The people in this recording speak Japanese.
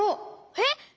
えっ？